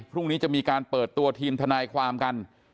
พรุ่งนี้จะมีการเปิดตัวทีมทนายความกัน